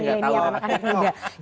ini anak anaknya juga